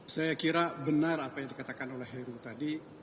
saya kira benar apa yang dikatakan oleh heru tadi